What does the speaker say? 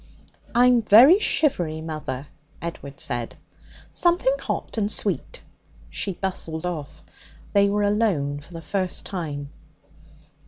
'I'm very shivery, mother,' Edward said. 'Something hot and sweet!' She bustled off. They were alone for the first time.